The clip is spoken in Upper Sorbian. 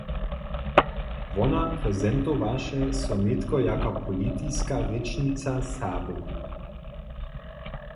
Wona prezentowaše so nětko jako politiska rěčnica Serbow.